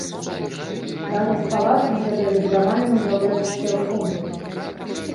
Разам з палацам гэтыя збудаванне ўяўляюць цэлы комплекс.